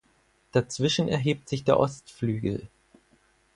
Dazwischen erhebt sich der Ostflügel.